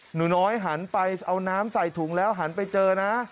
หนูน้อยหันไปเอาน้ำใส่ถุงแล้วหันไปเจอนะ